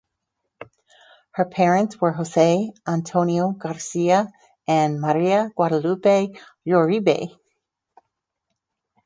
Her parents were Jose Antonio Garcia and Maria Guadalupe Uribe.